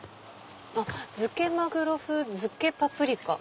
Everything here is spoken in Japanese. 「づけマグロ風づけパプリカ」。